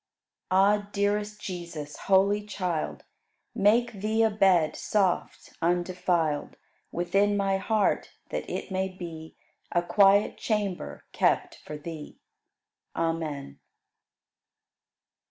101. Ah! dearest Jesus, holy Child, Make Thee a bed, soft, undefiled, Within my heart, that it may be A quiet chamber kept for Thee. Amen.